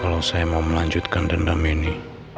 kalau saya mau melanjutkan dendam ini